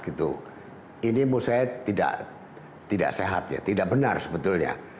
ini menurut saya tidak sehat ya tidak benar sebetulnya